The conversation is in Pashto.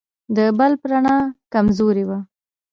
د بلب رڼا کمزورې وه.